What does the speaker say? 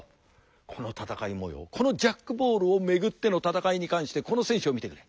この戦いもようこのジャックボールを巡っての戦いに関してこの選手を見てくれ。